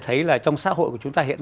thấy là trong xã hội của chúng ta hiện